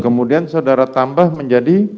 kemudian saudara tambah menjadi